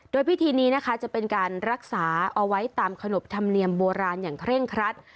โดยพิธีนี้นะคะจะเป็นการรักษาเอาไว้ตามขนบธรรมเนียมโบราณอย่างเคร่งครัด